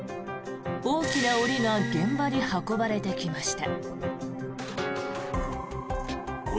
大きな檻が現場に運ばれてきました。